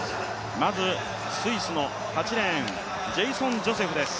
まずスイスの８レーン、ジェイソン・ジョセフです。